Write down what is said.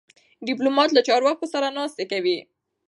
ډيپلومات له چارواکو سره ناستې کوي.